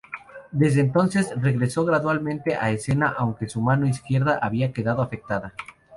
Desde entonces, regresó gradualmente a escena, aunque su mano izquierda había quedado afectada.